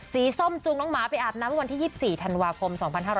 ส้มจูงน้องหมาไปอาบน้ำวันที่๒๔ธันวาคม๒๕๕๙